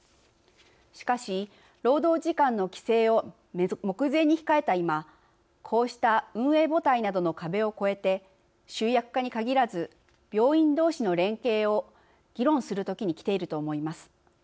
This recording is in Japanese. しかし、労働時間の規制を目前に控えた今こうした運営母体などの壁を超えて集約化に限らず病院同士の連携を議論する時にきていると思います。